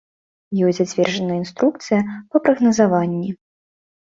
Ёй зацверджана інструкцыя па прагназаванні.